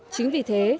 chính vì thế